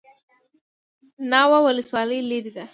ناوه ولسوالۍ لیرې ده؟